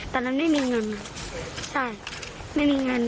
ตอนนั้นไม่มีเงินใช่ไม่มีเงิน